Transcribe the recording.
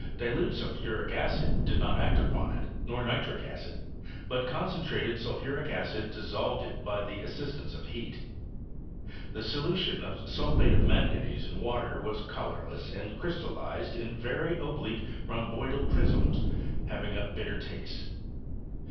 Dilute sul {^uric acid did not act upon it, nor nitric acid ; but concentrated sulphuric acid dissolved it by the as Bistance of heat. The solution of sulphate of manga nese in water was colourless and crystallized in very oblique rhomboidal prisms, having a bitter taste.